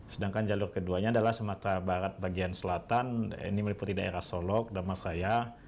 sedangkan jalur keduanya adalah semata barat bagian selatan ini meliputi daerah solok damasraya